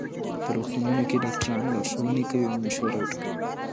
په روغتونونو کې ډاکټران لارښوونې کوي او مشوره ورکوي.